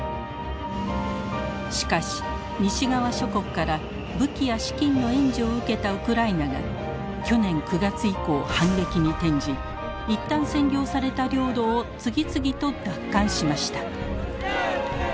しかし西側諸国から武器や資金の援助を受けたウクライナが去年９月以降反撃に転じ一旦占領された領土を次々と奪還しました。